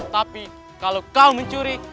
tapi kalau kau mencuri